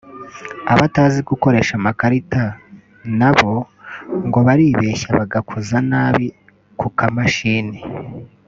Abatazi gukoresha amakarita na bo ngo baribeshya bagakoza nabi ku kamashini